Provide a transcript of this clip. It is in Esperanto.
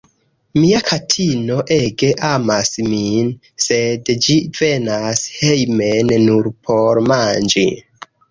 Mia katino ege amas min, sed ĝi venas hejmen nur por manĝi.